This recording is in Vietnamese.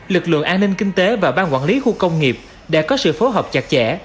lực lượng an ninh kinh tế và ban quản lý khu công nghiệp đã có sự phối hợp chặt chẽ